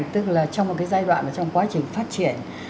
tức là trong một cái giai đoạn mà trong quá trình phát triển